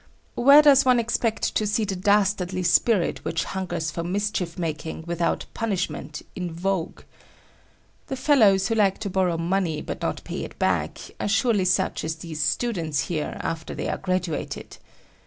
Where does one expect to see the dastardly spirit which hungers for mischief making without punishment, in vogue? The fellows who like to borrow money but not pay it back, are surely such as these students here after they are graduated.